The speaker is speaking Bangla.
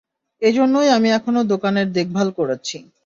এজন্যই আমি এখনো দোকানের দেখভাল করছি।